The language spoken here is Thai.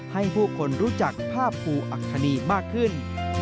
ให้ผู้คนรู้จักภาพภูอัคคณีมากขึ้น